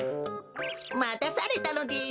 またされたのです。